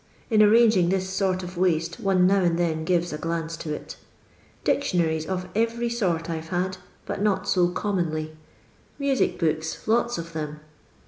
in arranging this sort of waste one now and then gives a glance to it Dictionaries of every sort, I 've had. but not so commonly. Music books, lots of them.